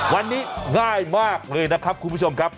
วันนี้ง่ายมากเลยนะครับคุณผู้ชมครับ